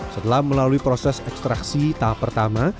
setelah melalui proses ekstraksi tahap pertama